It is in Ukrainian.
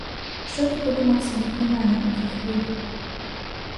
Що ти подумав собі про мене в тій хвилі?